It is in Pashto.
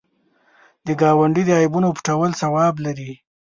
د ګاونډي د عیبونو پټول ثواب لري